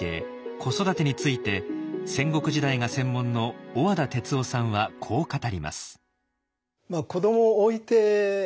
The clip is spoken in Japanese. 子育てについて戦国時代が専門の小和田哲男さんはこう語ります。